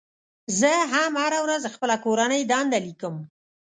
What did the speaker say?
زه هم هره ورځ خپله کورنۍ دنده لیکم.